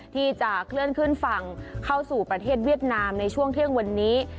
ที่จะเคลื่อนขึ้นฝั่งเข้าสู่ประเทศเวียดนามในช่วงเที่ยงวันนี้